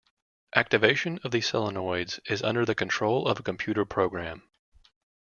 Activation of these solenoids is under the control of a computer program.